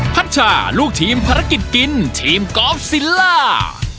พัชชาลูกทีมภารกิจกินทีมกอล์ฟซิลล่า